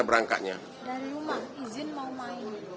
berangkatnya dari rumah izin mau main